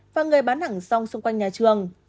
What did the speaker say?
và người bán hàng xong xung quanh nhà trường